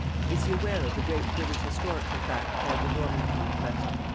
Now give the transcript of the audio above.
Is he aware of the great British historical fact called the Norman Conquest?